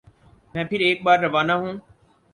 میں پھر ایک بار روانہ ہوں